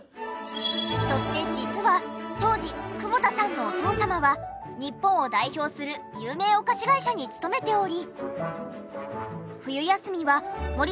そして実は当時久保田さんのお父様は日本を代表する有名お菓子会社に勤めており。